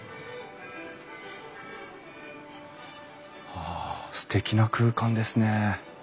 わあすてきな空間ですね。